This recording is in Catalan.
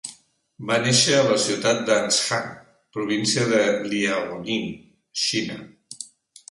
Va néixer a la ciutat d'Anshan, província de Liaoning, Xina.